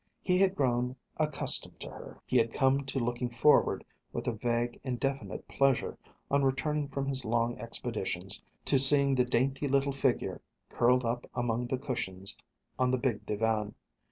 He had grown accustomed to her. He had come to looking forward with a vague, indefinite pleasure, on returning from his long expeditions, to seeing the dainty little figure curled up among the cushions on the big divan.